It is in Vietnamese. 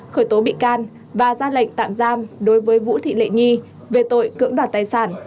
khởi tố bị can và ra lệnh tạm giam đối với vũ thị lệ nhi về tội cưỡng đoạt tài sản